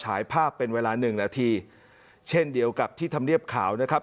ถ่ายภาพเป็นเวลาหนึ่งนาทีเช่นเดียวกับที่ธรรมเนียบขาวนะครับ